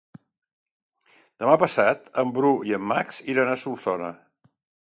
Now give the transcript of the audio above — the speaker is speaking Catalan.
Demà passat en Bru i en Max iran a Solsona.